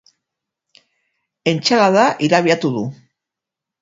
Entsalada irabiatu du.